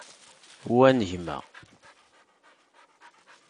Wa n gma.